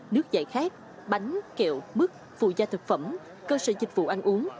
nước giải khát bánh kẹo mứt phụ gia thực phẩm cơ sở dịch vụ ăn uống